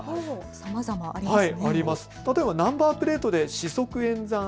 さまざまありますね。